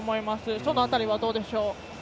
その辺りはどうでしょう。